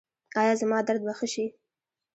ایا زما درد به ښه شي؟